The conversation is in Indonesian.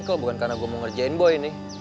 eh kalau bukan karena gue mau ngerjain boy ini